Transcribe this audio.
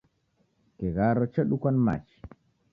Kigharo chedukwa ni machi